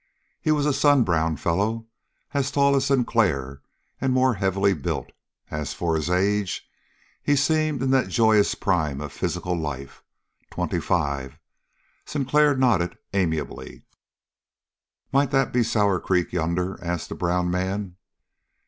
He was a sunbrowned fellow, as tall as Sinclair and more heavily built; as for his age, he seemed in that joyous prime of physical life, twenty five. Sinclair nodded amiably. "Might that be Sour Creek yonder?" asked the brown man.